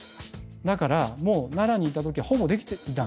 だから奈良にいた時はほぼできていた。